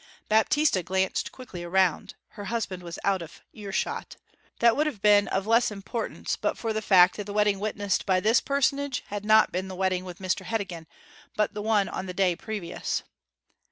Baptista glanced quickly around; her husband was out of earshot. That would have been of less importance but for the fact that the wedding witnessed by this personage had not been the wedding with Mr. Heddegan, but the one on the day previous.